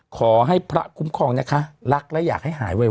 ขอให้พระคุ้มครองนะคะรักและอยากให้หายไว